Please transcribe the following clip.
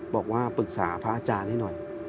บอกว่าปรึกษาพระอาจารย์ให้หน่อย